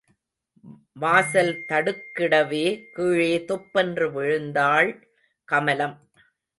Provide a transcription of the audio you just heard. வாசல் தடுக்கிடவே, கீழே தொப்பென்று விழுந்தாள் கமலம்.